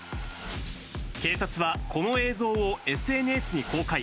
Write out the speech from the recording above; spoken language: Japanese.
警察はこの映像をＳＮＳに公開。